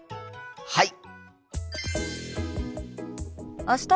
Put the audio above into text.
はい！